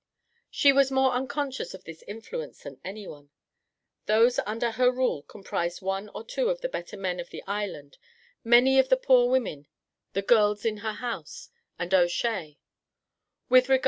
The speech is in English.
She was more unconscious of this influence than anyone. Those under her rule comprised one or two of the better men of the island, many of the poor women, the girls in her house, and O'Shea.